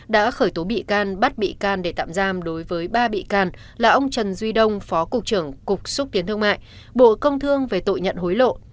đã khởi tố bị can bắt bị can để tạm giam đối với ba bị can là ông trần duy đông phó cục trưởng cục xúc tiến thương mại bộ công thương về tội nhận hối lộ